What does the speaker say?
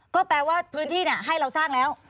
ก็แปลว่าพื้นที่ให้เราสร้างแล้ว